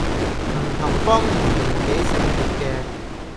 唔同方言年紀性別嘅